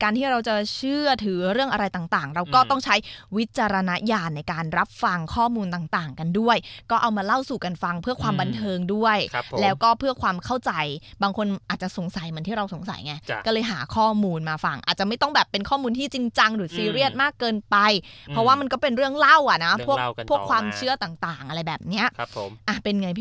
แล้วเยอะมากจริงแปลว่าคนถวายแล้วเขาปังเขาเห็นนะเขาถึงถวายใช่ไหม